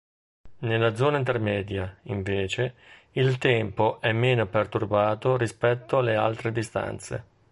Nella zona intermedia, invece, il tempo è meno perturbato rispetto alle altre distanze.